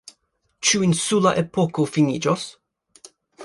Ĉu insula epoko finiĝos?